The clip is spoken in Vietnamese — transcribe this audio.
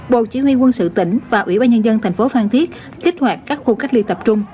bộ chỉ huy quân sự tỉnh và ủy ban nhân dân thành phố phan thiết kích hoạt các khu cách ly tập trung